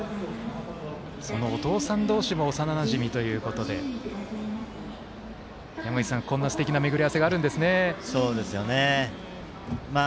そのお父さん同士も幼なじみということでこんな、すてきな巡り合わせがあるんですね。